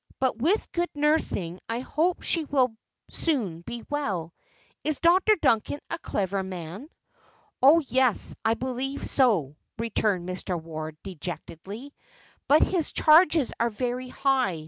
But with good nursing I hope she will soon be well. Is Dr. Duncan a clever man?" "Oh, yes, I believe so," returned Mr. Ward, dejectedly; "but his charges are very high.